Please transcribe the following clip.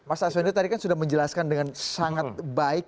mas aswendo tadi kan sudah menjelaskan dengan sangat baik